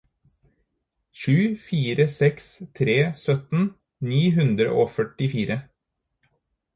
sju fire seks tre sytten ni hundre og førtifire